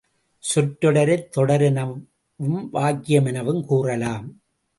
சொற்றொடரைத் தொடர் எனவும் வாக்கியம் எனவும் கூறலாம்.